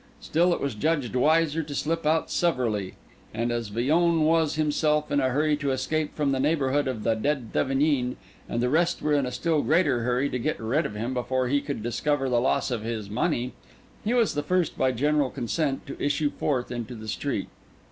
Still it was judged wiser to slip out severally; and as Villon was himself in a hurry to escape from the neighbourhood of the dead Thevenin, and the rest were in a still greater hurry to get rid of him before he should discover the loss of his money, he was the first by general consent to issue forth into the street.